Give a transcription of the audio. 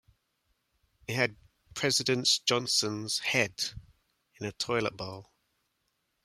It had President Johnson's head in a toilet bowl.